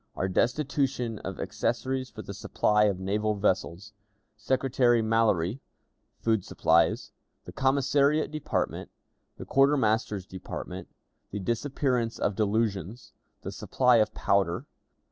Our Destitution of Accessories for the Supply of Naval Vessels. Secretary Mallory. Food Supplies. The Commissariat Department. The Quartermaster's Department. The Disappearance of Delusions. The Supply of Powder.